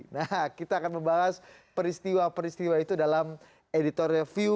nah kita akan membahas peristiwa peristiwa itu dalam editorial view